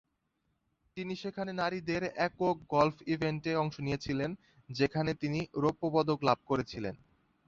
তিনি সেখানে নারীদের একক গলফ ইভেন্টে অংশ নিয়েছিলেন; যেখানে তিনি রৌপ্য পদক লাভ করেছিলেন।